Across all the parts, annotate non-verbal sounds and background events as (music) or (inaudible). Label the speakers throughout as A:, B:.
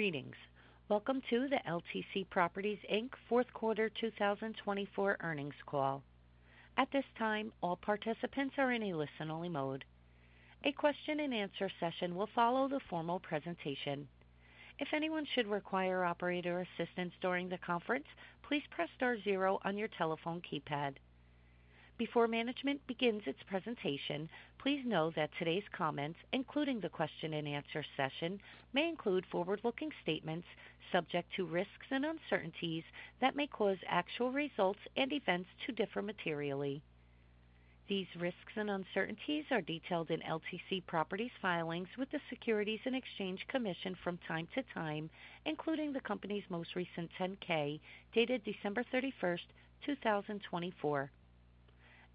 A: Greetings. Welcome to the LTC Properties, Inc. Fourth Quarter 2024 earnings call. At this time, all participants are in a listen-only mode. A question-and-answer session will follow the formal presentation. If anyone should require operator assistance during the conference, please press star zero on your telephone keypad. Before management begins its presentation, please know that today's comments, including the question-and-answer session, may include forward-looking statements subject to risks and uncertainties that may cause actual results and events to differ materially. These risks and uncertainties are detailed in LTC Properties filings with the Securities and Exchange Commission from time to time, including the company's most recent 10-K dated December 31st, 2024.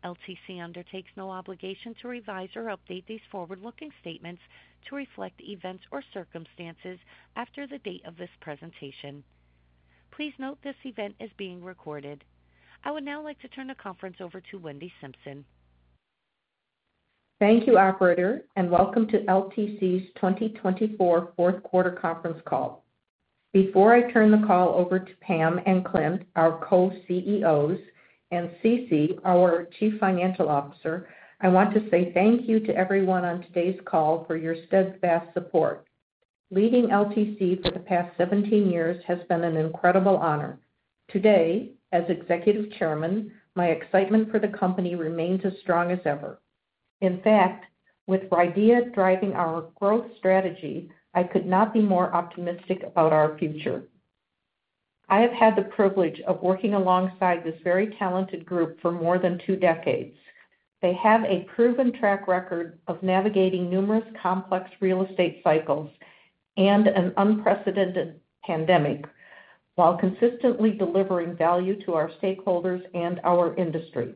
A: LTC undertakes no obligation to revise or update these forward-looking statements to reflect events or circumstances after the date of this presentation. Please note this event is being recorded. I would now like to turn the conference over to Wendy Simpson.
B: Thank you, Operator, and welcome to LTC's 2024 Fourth Quarter conference call. Before I turn the call over to Pam and Clint, our co-CEOs, and Cece, our Chief Financial Officer, I want to say thank you to everyone on today's call for your steadfast support. Leading LTC for the past 17 years has been an incredible honor. Today, as Executive Chairman, my excitement for the company remains as strong as ever. In fact, with RIDEA driving our growth strategy, I could not be more optimistic about our future. I have had the privilege of working alongside this very talented group for more than two decades. They have a proven track record of navigating numerous complex real estate cycles and an unprecedented pandemic while consistently delivering value to our stakeholders and our industry.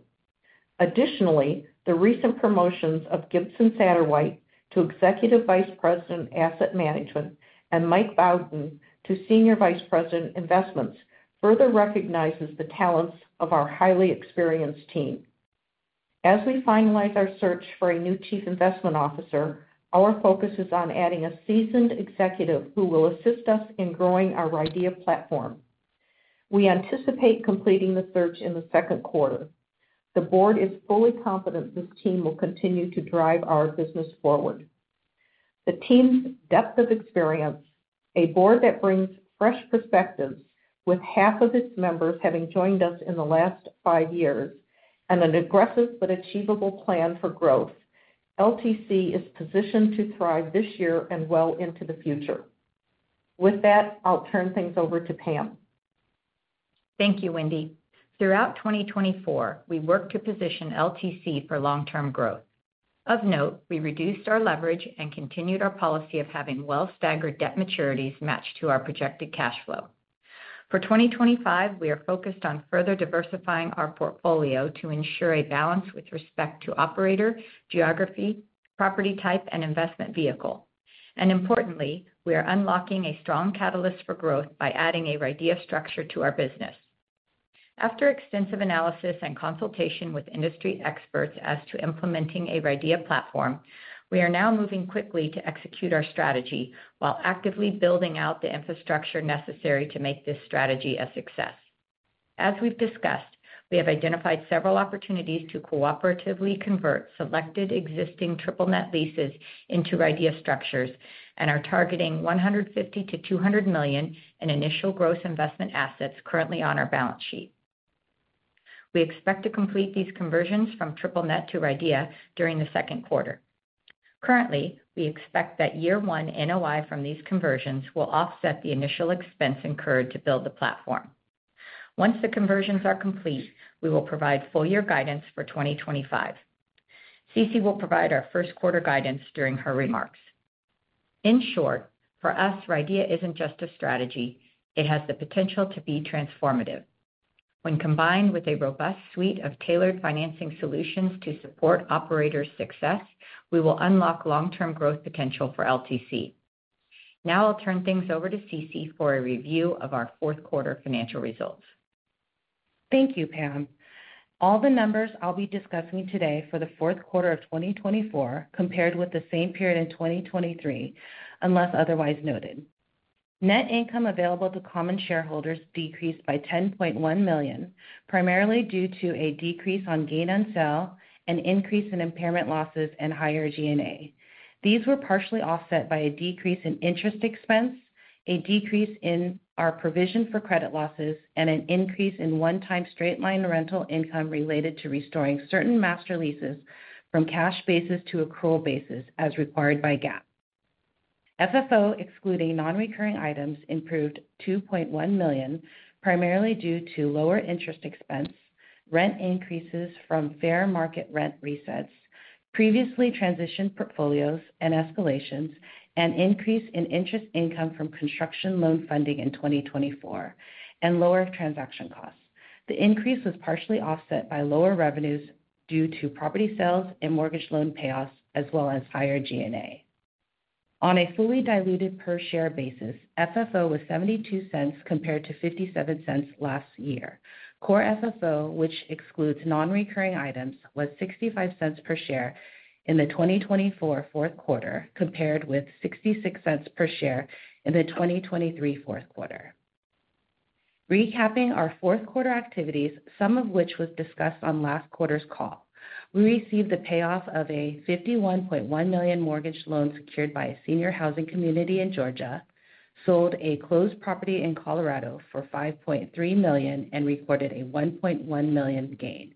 B: Additionally, the recent promotions of Gibson Satterwhite to Executive Vice President, Asset Management and Mike Bouton to Senior Vice President, Investments further recognize the talents of our highly experienced team. As we finalize our search for a new Chief Investment Officer, our focus is on adding a seasoned executive who will assist us in growing our RIDEA platform. We anticipate completing the search in the second quarter. The board is fully confident this team will continue to drive our business forward. The team's depth of experience, a board that brings fresh perspectives with half of its members having joined us in the last five years, and an aggressive but achievable plan for growth position LTC to thrive this year and well into the future. With that, I'll turn things over to Pam.
C: Thank you, Wendy. Throughout 2024, we worked to position LTC for long-term growth. Of note, we reduced our leverage and continued our policy of having well-staggered debt maturities matched to our projected cash flow. For 2025, we are focused on further diversifying our portfolio to ensure a balance with respect to operator, geography, property type, and investment vehicle. And importantly, we are unlocking a strong catalyst for growth by adding a RIDEA structure to our business. After extensive analysis and consultation with industry experts as to implementing a RIDEA platform, we are now moving quickly to execute our strategy while actively building out the infrastructure necessary to make this strategy a success. As we've discussed, we have identified several opportunities to cooperatively convert selected existing triple-net leases into RIDEA structures and are targeting $150-$200 million in initial gross investment assets currently on our balance sheet. We expect to complete these conversions from triple-net to RIDEA during the second quarter. Currently, we expect that year-one NOI from these conversions will offset the initial expense incurred to build the platform. Once the conversions are complete, we will provide full-year guidance for 2025. Cece will provide our first quarter guidance during her remarks. In short, for us, RIDEA isn't just a strategy. It has the potential to be transformative. When combined with a robust suite of tailored financing solutions to support operator success, we will unlock long-term growth potential for LTC. Now I'll turn things over to Cece for a review of our fourth quarter financial results.
D: Thank you, Pam. All the numbers I'll be discussing today for the fourth quarter of 2024 compared with the same period in 2023, unless otherwise noted. Net income available to common shareholders decreased by $10.1 million, primarily due to a decrease in gain-on-sale and increase in impairment losses and higher G&A. These were partially offset by a decrease in interest expense, a decrease in our provision for credit losses, and an increase in one-time straight-line rental income related to restoring certain master leases from cash bases to accrual bases as required by GAAP. FFO, excluding non-recurring items, improved $2.1 million, primarily due to lower interest expense, rent increases from fair market rent resets, previously transitioned portfolios and escalations, an increase in interest income from construction loan funding in 2024, and lower transaction costs. The increase was partially offset by lower revenues due to property sales and mortgage loan payoffs, as well as higher G&A. On a fully diluted per-share basis, FFO was $0.72 compared to $0.57 last year. Core FFO, which excludes non-recurring items, was $0.65 per share in the 2024 fourth quarter, compared with $0.66 per share in the 2023 fourth quarter. Recapping our fourth quarter activities, some of which was discussed on last quarter's call, we received the payoff of a $51.1 million mortgage loan secured by a senior housing community in Georgia, sold a closed property in Colorado for $5.3 million, and recorded a $1.1 million gain,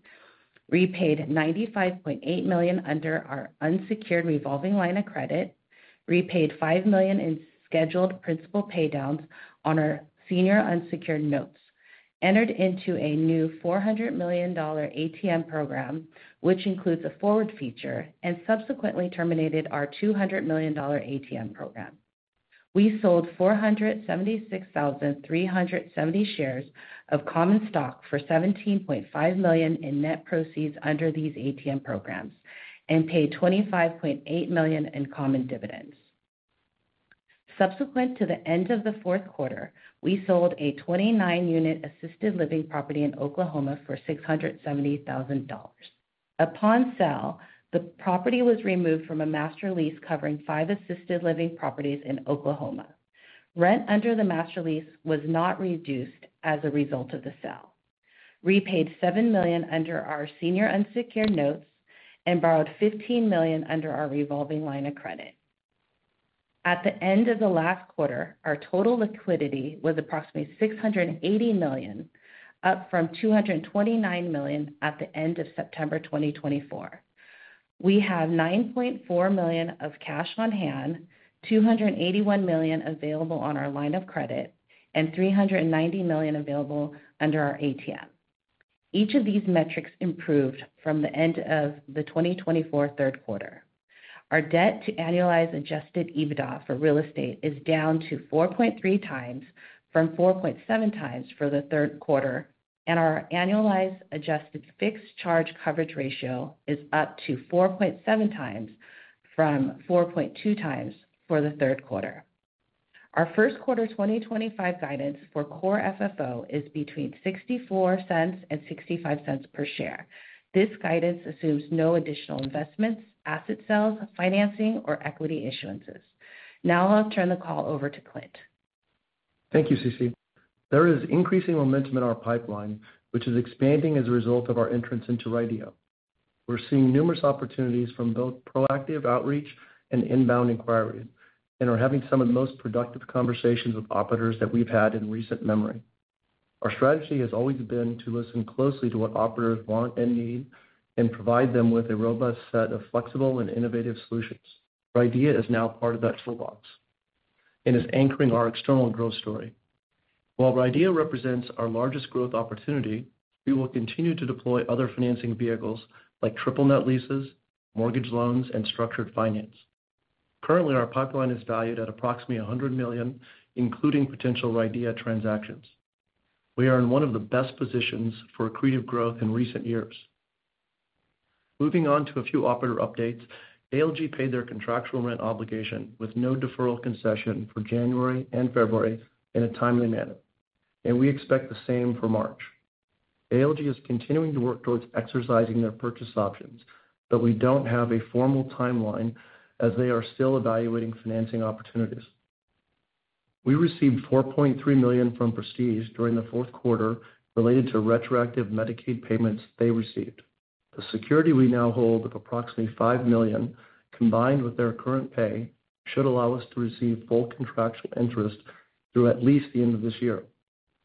D: repaid $95.8 million under our unsecured revolving line of credit, repaid $5 million in scheduled principal paydowns on our senior unsecured notes, entered into a new $400 million ATM program, which includes a forward feature, and subsequently terminated our $200 million ATM program. We sold 476,370 shares of common stock for $17.5 million in net proceeds under these ATM programs and paid $25.8 million in common dividends. Subsequent to the end of the fourth quarter, we sold a 29-unit assisted living property in Oklahoma for $670,000. Upon sale, the property was removed from a master lease covering five assisted living properties in Oklahoma. Rent under the master lease was not reduced as a result of the sale. We paid $7 million under our senior unsecured notes and borrowed $15 million under our revolving line of credit. At the end of the last quarter, our total liquidity was approximately $680 million, up from $229 million at the end of September 2024. We have $9.4 million of cash on hand, $281 million available on our line of credit, and $390 million available under our ATM. Each of these metrics improved from the end of the 2024 third quarter. Our Debt-to-Annualized Adjusted EBITDA for real estate is down to 4.3 times from 4.7 times for the third quarter, and our annualized adjusted Fixed Charge Coverage Ratio is up to 4.7 times from 4.2 times for the third quarter. Our first quarter 2025 guidance for Core FFO is between $0.64 and $0.65 per share. This guidance assumes no additional investments, asset sales, financing, or equity issuances. Now I'll turn the call over to Clint.
E: Thank you, Cece. There is increasing momentum in our pipeline, which is expanding as a result of our entrance into RIDEA. We're seeing numerous opportunities from both proactive outreach and inbound inquiries, and are having some of the most productive conversations with operators that we've had in recent memory. Our strategy has always been to listen closely to what operators want and need and provide them with a robust set of flexible and innovative solutions. RIDEA is now part of that toolbox and is anchoring our external growth story. While RIDEA represents our largest growth opportunity, we will continue to deploy other financing vehicles like triple-net leases, mortgage loans, and structured finance. Currently, our pipeline is valued at approximately $100 million, including potential RIDEA transactions. We are in one of the best positions for accretive growth in recent years. Moving on to a few operator updates, ALG paid their contractual rent obligation with no deferral concession for January and February in a timely manner, and we expect the same for March. ALG is continuing to work towards exercising their purchase options, but we don't have a formal timeline as they are still evaluating financing opportunities. We received $4.3 million from Prestige during the fourth quarter related to retroactive Medicaid payments they received. The security we now hold of approximately $5 million, combined with their current pay, should allow us to receive full contractual interest through at least the end of this year.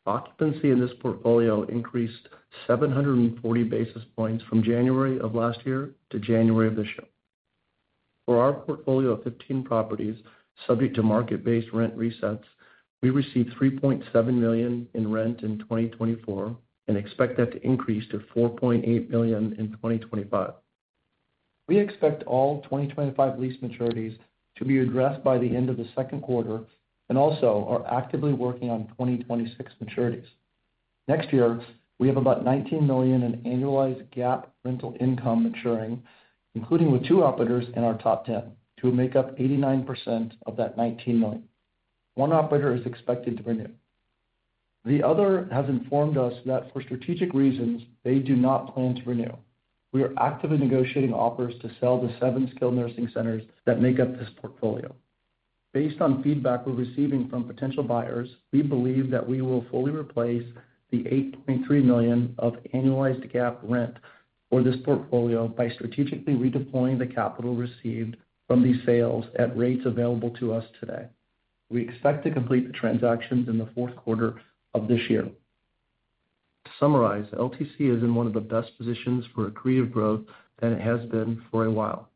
E: Occupancy in this portfolio increased 740 basis points from January of last year to January of this year. For our portfolio of 15 properties subject to market-based rent resets, we received $3.7 million in rent in 2024 and expect that to increase to $4.8 million in 2025. We expect all 2025 lease maturities to be addressed by the end of the second quarter and also are actively working on 2026 maturities. Next year, we have about $19 million in annualized GAAP rental income maturing, including with two operators in our top 10, to make up 89% of that $19 million. One operator is expected to renew. The other has informed us that for strategic reasons, they do not plan to renew. We are actively negotiating offers to sell the seven skilled nursing centers that make up this portfolio. Based on feedback we're receiving from potential buyers, we believe that we will fully replace the $8.3 million of annualized GAAP rent for this portfolio by strategically redeploying the capital received from these sales at rates available to us today. We expect to complete the transactions in the fourth quarter of this year. To summarize, LTC is in one of the best positions for accretive growth that it has been for a while.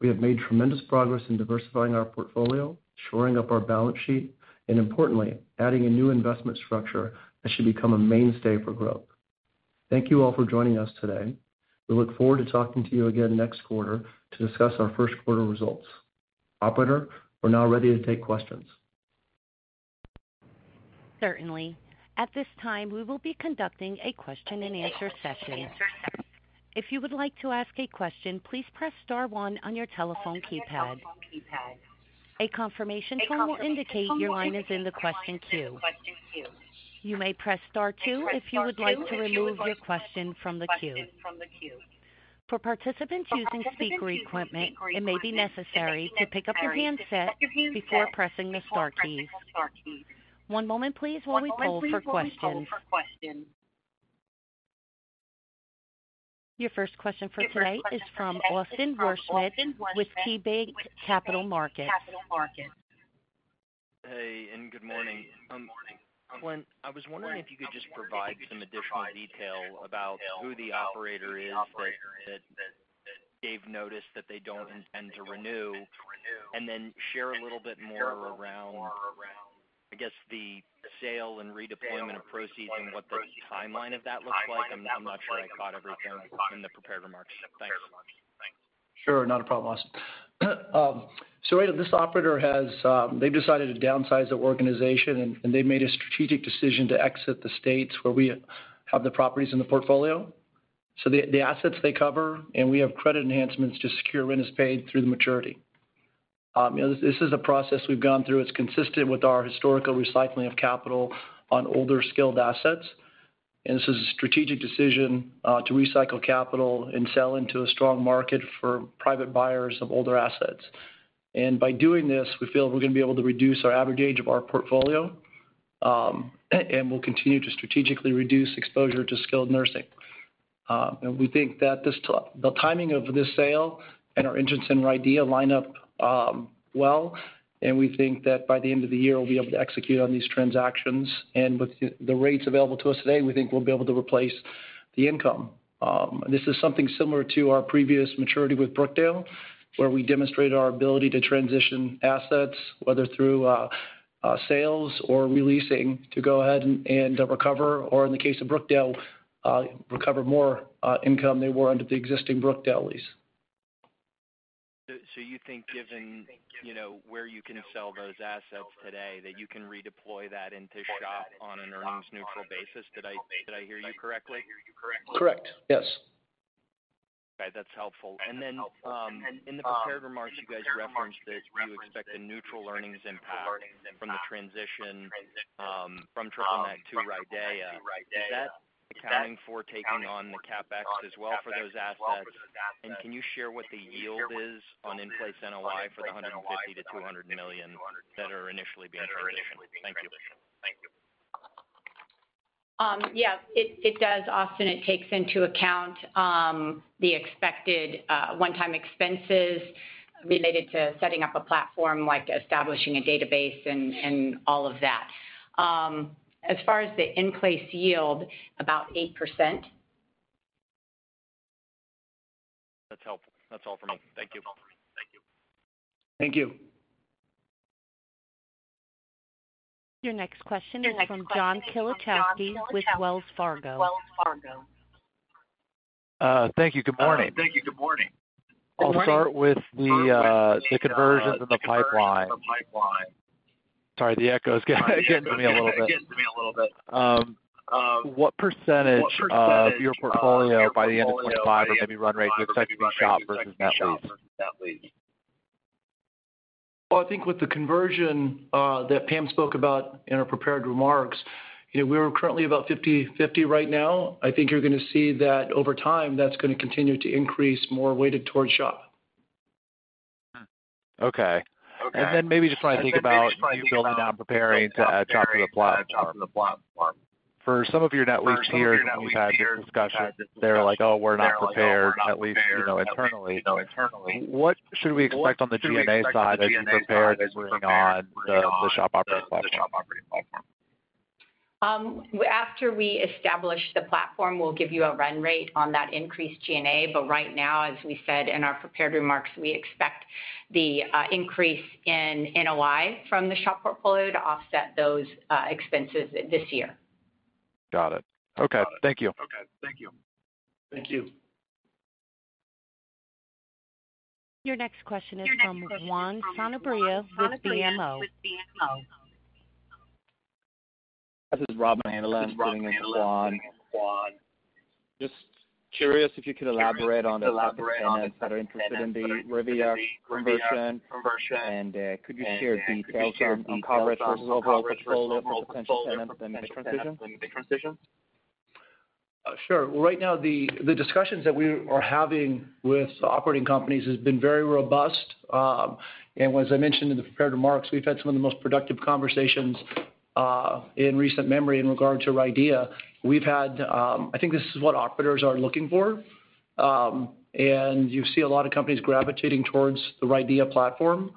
E: We have made tremendous progress in diversifying our portfolio, shoring up our balance sheet, and importantly, adding a new investment structure that should become a mainstay for growth. Thank you all for joining us today. We look forward to talking to you again next quarter to discuss our first quarter results. Operator, we're now ready to take questions.
A: Certainly. At this time, we will be conducting a question-and-answer session. If you would like to ask a question, please press star one on your telephone keypad. A confirmation tone will indicate your line is in the question queue. You may press star two if you would like to remove your question from the queue. For participants using speaker equipment, it may be necessary to pick up your handset before pressing the star keys. One moment, please, while we poll for questions. Your first question for tonight is from Austin Wurschmidt with KeyBanc Capital Markets.
F: Hey, and good morning. I was wondering if you could just provide some additional detail about who the operator is that they've noticed that they don't intend to renew, and then share a little bit more around, I guess, the sale and redeployment of proceeds and what the timeline of that looks like. I'm not sure I caught everything in the prepared remarks. Thanks.
E: Sure, not a problem, Austin. So this operator has decided to downsize their organization, and they've made a strategic decision to exit the states where we have the properties in the portfolio. So the assets they cover, and we have credit enhancements to secure rent is paid through the maturity. This is a process we've gone through. It's consistent with our historical recycling of capital on older skilled assets. And this is a strategic decision to recycle capital and sell into a strong market for private buyers of older assets. And by doing this, we feel we're going to be able to reduce our average age of our portfolio, and we'll continue to strategically reduce exposure to skilled nursing. We think that the timing of this sale and our interest in RIDEA line up well, and we think that by the end of the year, we'll be able to execute on these transactions. With the rates available to us today, we think we'll be able to replace the income. This is something similar to our previous maturity with Brookdale, where we demonstrated our ability to transition assets, whether through sales or releasing, to go ahead and recover, or in the case of Brookdale, recover more income than they were under the existing Brookdale lease.
F: You think given where you can sell those assets today, that you can redeploy that into SHOP on an earnings-neutral basis? Did I hear you correctly?
E: Correct. Yes.
F: Okay, that's helpful. And then in the prepared remarks, you guys referenced that you expect a neutral earnings impact from the transition from triple-net to RIDEA. Is that accounting for taking on the CapEx as well for those assets? And can you share what the yield is on in-place NOI for the $150-$200 million that are initially being transitioned? Thank you.
D: Yeah, it does. Often, it takes into account the expected one-time expenses related to setting up a platform, like establishing a database and all of that. As far as the in-place yield, about 8%.
F: That's helpful. That's all for me. Thank you.
E: Thank you.
A: Your next question is from John Kilichowski with Wells Fargo.
G: Thank you. Good morning. I'll start with the conversions in the pipeline. Sorry, the echo is getting to me a little bit. What percentage of your portfolio by the end of 2025 or maybe run rate do you expect to be shop versus net lease?
E: Well, I think with the conversion that Pam spoke about in her prepared remarks, we're currently about 50/50 right now. I think you're going to see that over time, that's going to continue to increase more weighted towards shop.
G: Okay. And then maybe just trying to think about building out, preparing to SHOP for the platform. For some of your net lease tiers, we've had discussions. They're like, "Oh, we're not prepared, at least internally." What should we expect on the G&A side as you prepare to bring on the SHOP operating platform?
D: After we establish the platform, we'll give you a run rate on that increased G&A. But right now, as we said in our prepared remarks, we expect the increase in NOI from the SHOP portfolio to offset those expenses this year.
G: Got it. Okay. Thank you.
E: Thank you.
A: Your next question is from Juan Sanabria with BMO.
H: This is Robin Hanlon sitting in for Juan. Just curious if you could elaborate on those tenants that are interested in the RIDEA conversion, and could you share details on coverage versus overall portfolio for potential tenants in mid-transition?
E: Sure. Well, right now, the discussions that we are having with operating companies have been very robust. And as I mentioned in the prepared remarks, we've had some of the most productive conversations in recent memory in regard to RIDEA. I think this is what operators are looking for. And you see a lot of companies gravitating towards the RIDEA platform.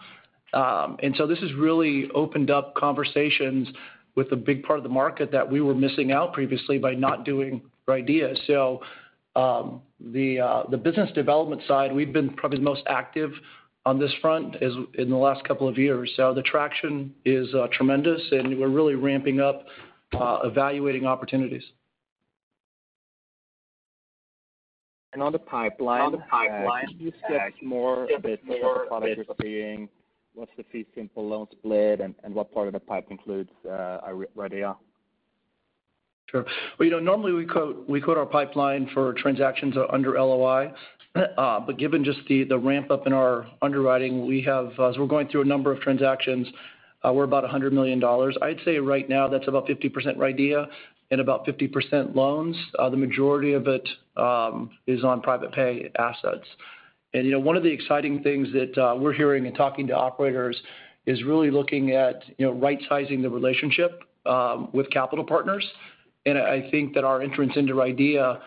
E: And so this has really opened up conversations with a big part of the market that we were missing out previously by not doing RIDEA. So the business development side, we've been probably the most active on this front in the last couple of years. So the traction is tremendous, and we're really ramping up evaluating opportunities.
H: On the pipeline, do you expect more businesses participating? What's the fee simple loan split, and what part of the pipe includes RIDEA?
E: Sure. Normally, we quote our pipeline for transactions under LOI. But given just the ramp-up in our underwriting, as we're going through a number of transactions, we're about $100 million. I'd say right now, that's about 50% RIDEA and about 50% loans. The majority of it is on private-pay assets. And one of the exciting things that we're hearing and talking to operators is really looking at right-sizing the relationship with capital partners. And I think that our entrance into RIDEA is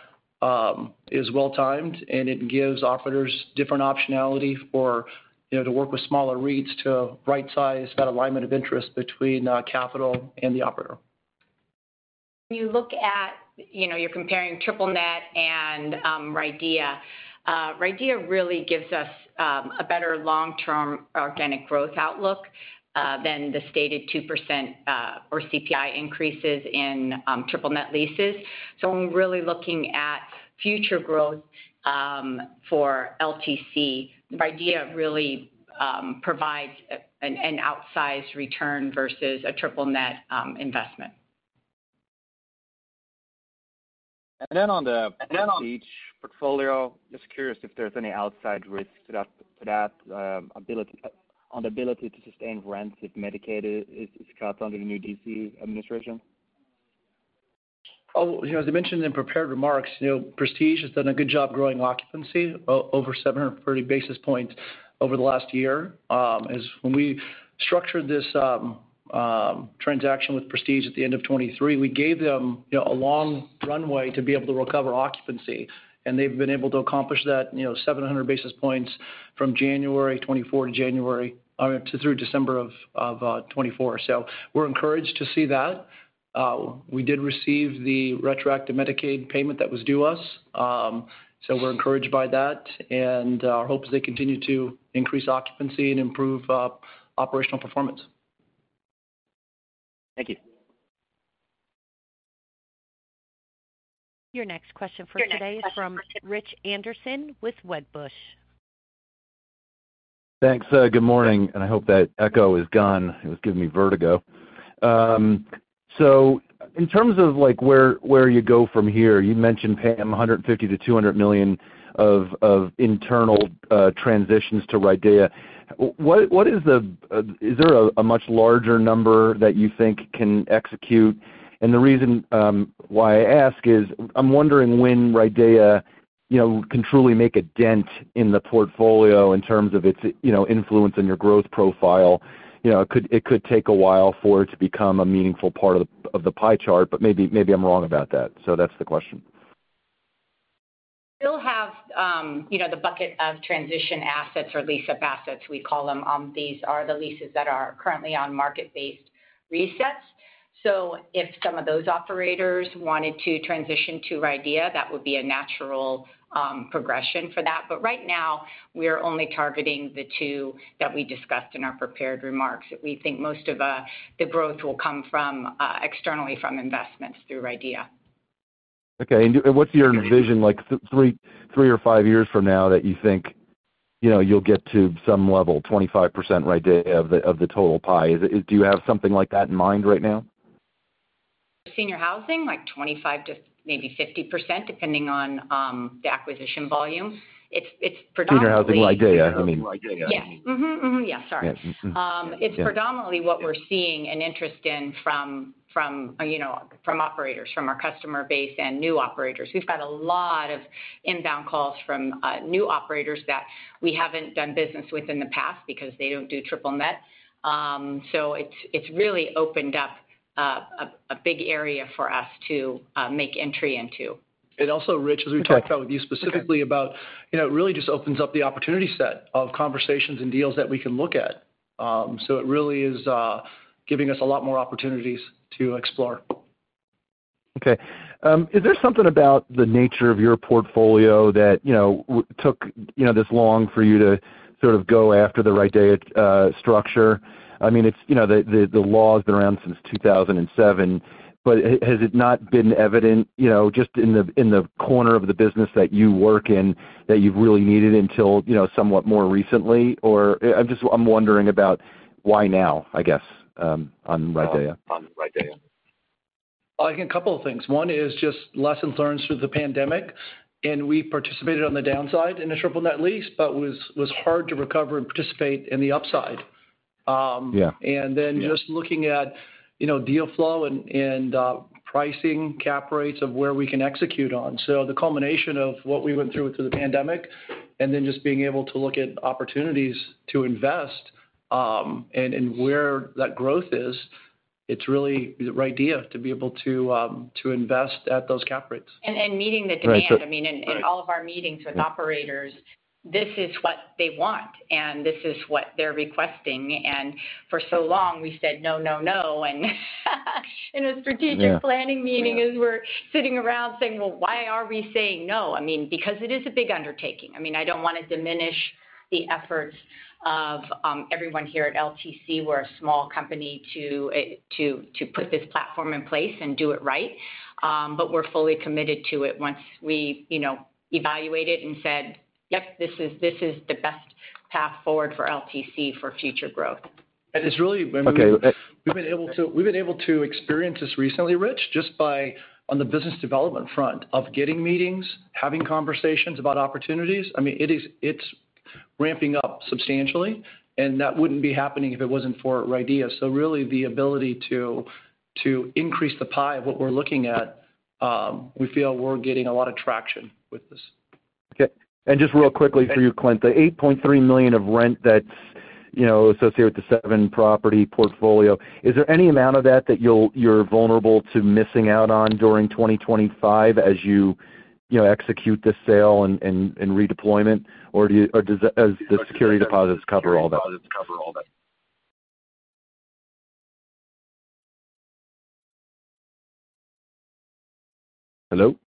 E: well-timed, and it gives operators different optionality to work with smaller REITs to right-size that alignment of interest between capital and the operator.
D: When you look at, you're comparing triple-net and RIDEA, RIDEA really gives us a better long-term organic growth outlook than the stated 2% or CPI increases in triple-net leases. So when we're really looking at future growth for LTC, RIDEA really provides an outsized return versus a triple-net investment.
H: On the LTC portfolio, just curious if there's any outside risks to that ability to sustain rent if Medicaid is cut under the new DC administration?
E: As I mentioned in prepared remarks, Prestige has done a good job growing occupancy over 740 basis points over the last year. When we structured this transaction with Prestige at the end of 2023, we gave them a long runway to be able to recover occupancy. And they've been able to accomplish that 700 basis points from January 2024 to January through December of 2024. So we're encouraged to see that. We did receive the retroactive Medicaid payment that was due us. So we're encouraged by that. And our hope is they continue to increase occupancy and improve operational performance.
H: Thank you.
A: Your next question for today is from Rich Anderson with Wedbush.
I: Thanks. Good morning. And I hope that echo is gone. It was giving me vertigo. So in terms of where you go from here, you mentioned, Pam, $150 million-$200 million of internal transitions to RIDEA. Is there a much larger number that you think can execute? And the reason why I ask is I'm wondering when RIDEA can truly make a dent in the portfolio in terms of its influence on your growth profile. It could take a while for it to become a meaningful part of the pie chart, but maybe I'm wrong about that. So that's the question.
D: We still have the bucket of transition assets or lease-up assets, we call them. These are the leases that are currently on market-based resets. So if some of those operators wanted to transition to RIDEA, that would be a natural progression for that. But right now, we're only targeting the two that we discussed in our prepared remarks. We think most of the growth will come externally from investments through RIDEA.
I: Okay. And what's your vision three or five years from now that you think you'll get to some level, 25% RIDEA of the total pie? Do you have something like that in mind right now?
D: Senior housing, like 25% to maybe 50%, depending on the acquisition volume. (crosstalk) Senior housing RIDEA, I mean. Yeah. Yeah, sorry. It's predominantly what we're seeing an interest in from operators, from our customer base and new operators. We've got a lot of inbound calls from new operators that we haven't done business with in the past because they don't do triple net. So it's really opened up a big area for us to make entry into.
E: And also, Rich, as we talked about with you specifically about it really just opens up the opportunity set of conversations and deals that we can look at. So it really is giving us a lot more opportunities to explore.
I: Okay. Is there something about the nature of your portfolio that took this long for you to sort of go after the RIDEA structure? I mean, the law has been around since 2007, but has it not been evident just in the corner of the business that you work in that you've really needed until somewhat more recently, or I'm wondering about why now, I guess, on RIDEA.
E: I think a couple of things. One is just lessons learned through the pandemic, and we participated on the downside in a Triple-Net lease, but it was hard to recover and participate in the upside, and then just looking at deal flow and pricing cap rates of where we can execute on, so the culmination of what we went through the pandemic and then just being able to look at opportunities to invest and where that growth is. It's really RIDEA to be able to invest at those cap rates.
D: And meeting the demand. I mean, in all of our meetings with operators, this is what they want, and this is what they're requesting. And for so long, we said, "No, no, no." And in a strategic planning meeting, as we're sitting around saying, "Well, why are we saying no?" I mean, because it is a big undertaking. I mean, I don't want to diminish the efforts of everyone here at LTC. We're a small company to put this platform in place and do it right. But we're fully committed to it once we evaluate it and said, "Yep, this is the best path forward for LTC for future growth.
E: It's really.
I: Okay.
E: We've been able to experience this recently, Rich, just by on the business development front of getting meetings, having conversations about opportunities. I mean, it's ramping up substantially, and that wouldn't be happening if it wasn't for RIDEA. So really, the ability to increase the pie of what we're looking at, we feel we're getting a lot of traction with this.
I: Okay. And just real quickly for you, Clint, the $8.3 million of rent that's associated with the seven-property portfolio, is there any amount of that that you're vulnerable to missing out on during 2025 as you execute the sale and redeployment? Or does the security deposits cover all that? Hello?
D: Yeah, it's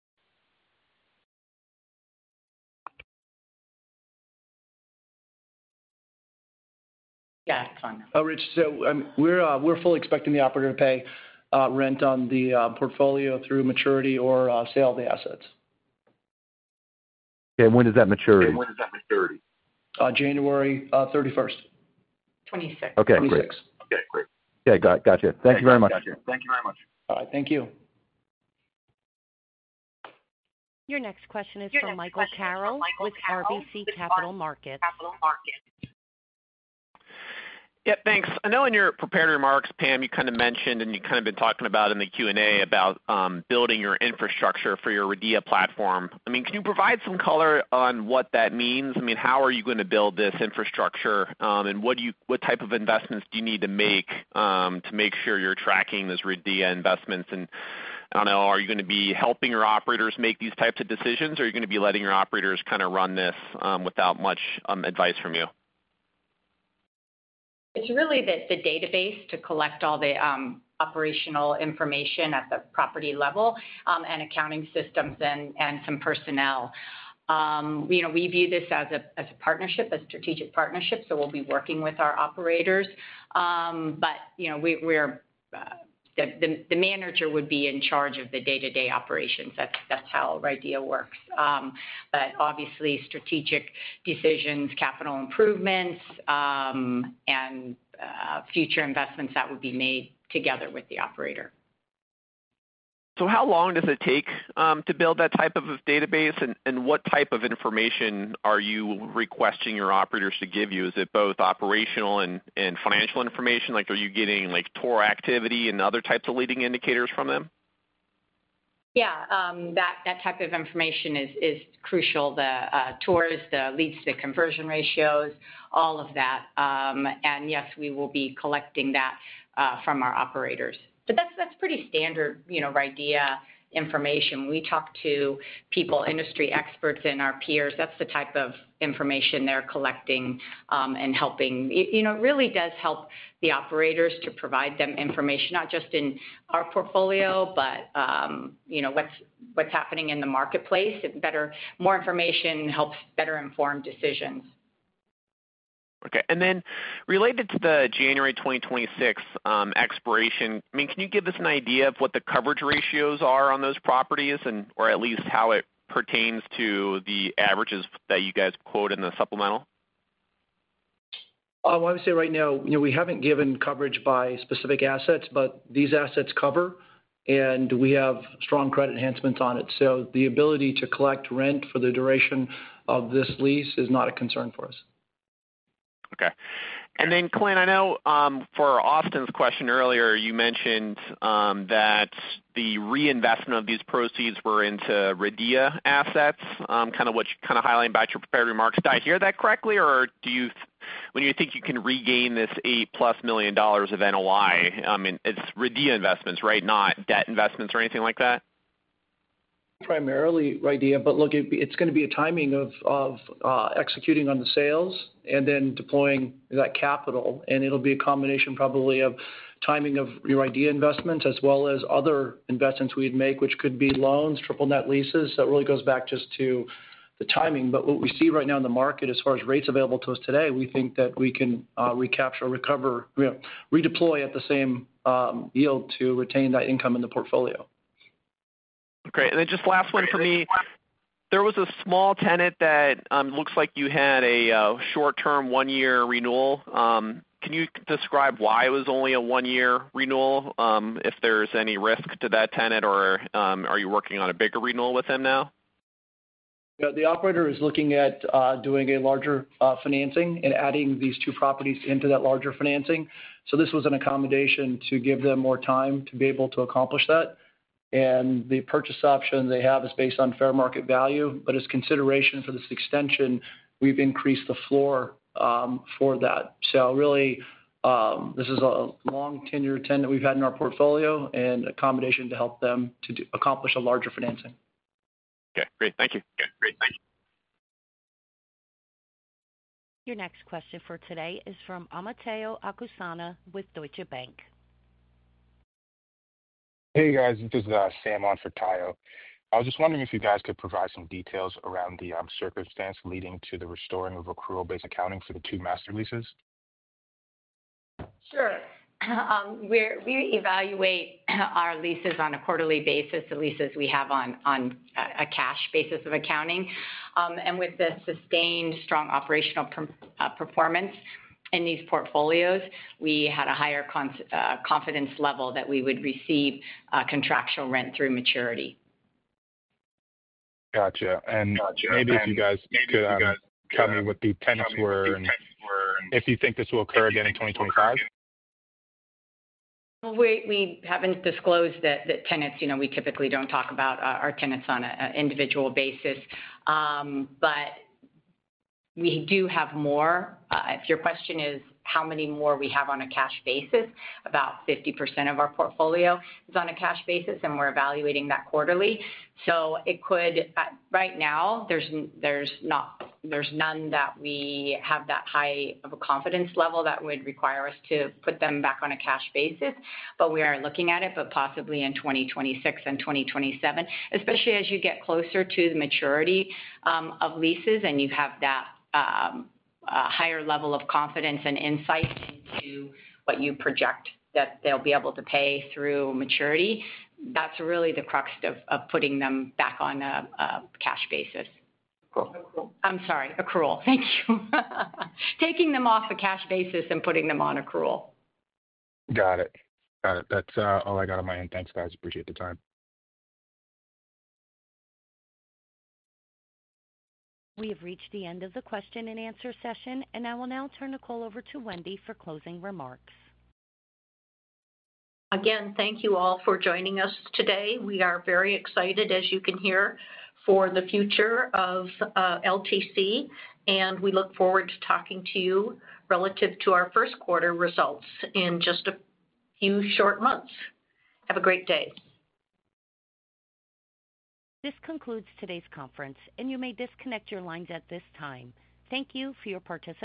D: on.
E: Oh, Rich, so we're fully expecting the operator to pay rent on the portfolio through maturity or sale of the assets.
I: When is that maturity?
E: January 31st.
D: 26th.
I: Okay. 26th. Okay. Great. Yeah. Gotcha. Thank you very much.
E: All right. Thank you.
A: Your next question is from Michael Carroll with RBC Capital Markets.
J: Yep. Thanks. I know in your prepared remarks, Pam, you kind of mentioned and you've kind of been talking about in the Q&A about building your infrastructure for your RIDEA platform. I mean, can you provide some color on what that means? I mean, how are you going to build this infrastructure? And what type of investments do you need to make to make sure you're tracking those RIDEA investments? And I don't know, are you going to be helping your operators make these types of decisions, or are you going to be letting your operators kind of run this without much advice from you?
D: It's really the database to collect all the operational information at the property level and accounting systems and some personnel. We view this as a partnership, a strategic partnership. So we'll be working with our operators. But the manager would be in charge of the day-to-day operations. That's how RIDEA works. But obviously, strategic decisions, capital improvements, and future investments that would be made together with the operator.
J: So how long does it take to build that type of database, and what type of information are you requesting your operators to give you? Is it both operational and financial information? Are you getting tour activity and other types of leading indicators from them?
D: Yeah. That type of information is crucial. The tours, the leads to conversion ratios, all of that. Yes, we will be collecting that from our operators. But that's pretty standard RIDEA information. We talk to people, industry experts, and our peers. That's the type of information they're collecting and helping. It really does help the operators to provide them information, not just in our portfolio, but what's happening in the marketplace. More information helps better inform decisions.
J: Okay. And then related to the January 2026 expiration, I mean, can you give us an idea of what the coverage ratios are on those properties or at least how it pertains to the averages that you guys quote in the supplemental?
E: I would say right now, we haven't given coverage by specific assets, but these assets cover, and we have strong credit enhancements on it. So the ability to collect rent for the duration of this lease is not a concern for us.
J: Okay. And then, Clint, I know for Austin's question earlier, you mentioned that the reinvestment of these proceeds were into RIDEA assets, kind of what you're kind of highlighting about your prepared remarks. Did I hear that correctly? Or when you think you can regain this $8-plus million of NOI, I mean, it's RIDEA investments, right, not debt investments or anything like that?
E: Primarily RIDEA. But look, it's going to be a timing of executing on the sales and then deploying that capital. And it'll be a combination probably of timing of your RIDEA investments as well as other investments we'd make, which could be loans, triple-net leases. That really goes back just to the timing. But what we see right now in the market, as far as rates available to us today, we think that we can recapture or redeploy at the same yield to retain that income in the portfolio.
J: Okay, and then just last one for me. There was a small tenant that looks like you had a short-term one-year renewal. Can you describe why it was only a one-year renewal, if there's any risk to that tenant, or are you working on a bigger renewal with them now?
E: The operator is looking at doing a larger financing and adding these two properties into that larger financing. So this was an accommodation to give them more time to be able to accomplish that. And the purchase option they have is based on fair market value. But as consideration for this extension, we've increased the floor for that. So really, this is a long-tenure tenant we've had in our portfolio and a combination to help them to accomplish a larger financing.
J: Okay. Great. Thank you.
A: Your next question for today is from Omotayo Okusana with Deutsche Bank.
K: Hey, guys. This is Sam on for Tayo. I was just wondering if you guys could provide some details around the circumstance leading to the restoring of accrual-based accounting for the two master leases?
D: Sure. We evaluate our leases on a quarterly basis, the leases we have on a cash basis of accounting, and with the sustained strong operational performance in these portfolios, we had a higher confidence level that we would receive contractual rent through maturity.
K: Gotcha. And maybe if you guys could tell me what the tenants were and if you think this will occur again in 2025?
D: We haven't disclosed the tenants. We typically don't talk about our tenants on an individual basis. But we do have more. If your question is how many more we have on a cash basis, about 50% of our portfolio is on a cash basis, and we're evaluating that quarterly. So right now, there's none that we have that high of a confidence level that would require us to put them back on a cash basis. But we are looking at it, but possibly in 2026 and 2027, especially as you get closer to the maturity of leases and you have that higher level of confidence and insight into what you project that they'll be able to pay through maturity. That's really the crux of putting them back on a cash basis.
L: Accrual.
D: I'm sorry. Accrual. Thank you. Taking them off a cash basis and putting them on accrual.
L: Got it. Got it. That's all I got on my end. Thanks, guys. Appreciate the time.
A: We have reached the end of the question and answer session, and I will now turn the call over to Wendy for closing remarks.
B: Again, thank you all for joining us today. We are very excited, as you can hear, for the future of LTC, and we look forward to talking to you relative to our first quarter results in just a few short months. Have a great day.
A: This concludes today's conference, and you may disconnect your lines at this time. Thank you for your participation.